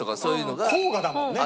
甲賀だもんね。